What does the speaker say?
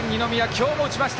今日も打ちました！